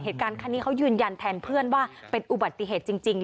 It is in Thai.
เหตุการณ์นี้เขายืนยันแทนเพื่อนว่าเป็นอุบัติเหตุจริง